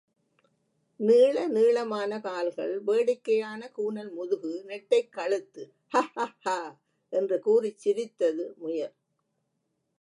நீள நீளமான கால்கள், வேடிக்கையான கூனல் முதுகு, நெட்டைக் கழுத்து... ஹஹ்ஹஹ்ஹா என்று கூறிச் சிரித்தது, முயல்.